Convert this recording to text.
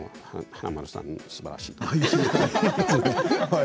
華丸さん、すばらしいです。